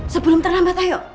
sebelum terlambat ayo